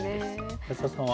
安田さんは？